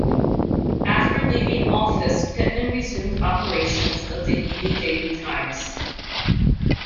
After leaving office Pittman resumed operation of the "Ely Daily Times".